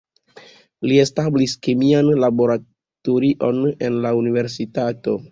Li establis kemian laboratorion en la universitato.